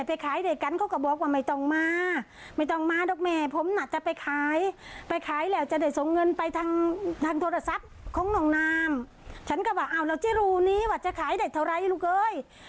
เขานี่ฉันก็โทรไปหลายสายนะโทรไปหาแม่ดองโทรไปหาลูกเคย